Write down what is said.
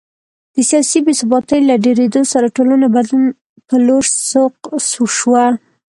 د سیاسي بې ثباتۍ له ډېرېدو سره ټولنه بدلون په لور سوق شوه